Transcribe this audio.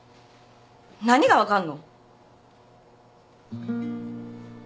何が分かんの？